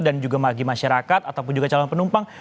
dan juga masyarakat ataupun calon penumpang